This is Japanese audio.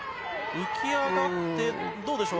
浮き上がって、どうでしょう？